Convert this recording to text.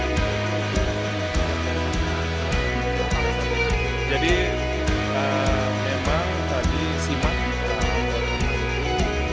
hai jadi memang tadi simak